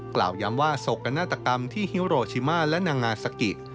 กล่าวยำว่าสกนตรกรรมที่ฮิโรชิม่าและนางาสักิ